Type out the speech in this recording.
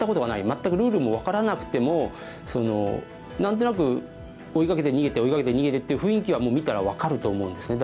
全くルールも分からなくても何となく追いかけて逃げて追いかけて逃げてという雰囲気はもう見たら分かると思うんですね。